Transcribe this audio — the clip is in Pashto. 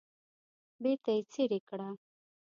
بیرته یې څیرې کړه.